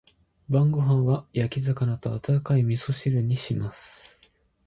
晩ご飯は焼き魚と温かい味噌汁にします。